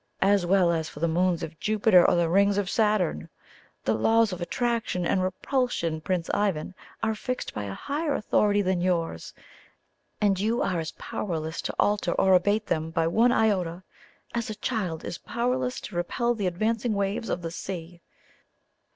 As well ask for the Moons of Jupiter or the Ring of Saturn! The laws of attraction and repulsion, Prince Ivan, are fixed by a higher authority than yours, and you are as powerless to alter or abate them by one iota, as a child is powerless to repel the advancing waves of the sea."